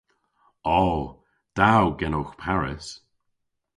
O. Da o genowgh Paris.